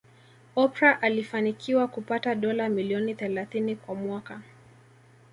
Oprah alifanikiwa kupata dola milioni thelathini kwa mwaka